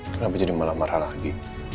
kenapa jadi malah marah marah lagi